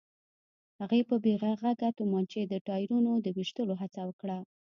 هغې په بې غږه تومانچې د ټايرونو د ويشتلو هڅه وکړه.